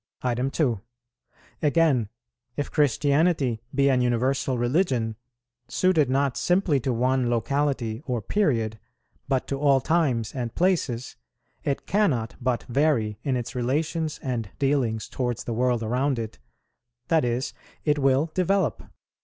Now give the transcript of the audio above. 2. Again, if Christianity be an universal religion, suited not simply to one locality or period, but to all times and places, it cannot but vary in its relations and dealings towards the world around it, that is, it will develope.